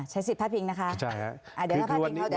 ใช้สิทธิ์ภาพิงค์นะคะ